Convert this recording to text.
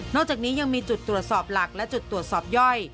จากนี้ยังมีจุดตรวจสอบหลักและจุดตรวจสอบย่อย